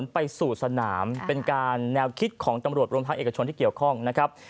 ไปสู่สนามเป็นการแนวคิดของตำรวจรวมภาคเอกชนที่เกี่ยวข้องนะครับ